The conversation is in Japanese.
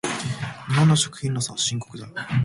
日本の食品ロスは深刻だ。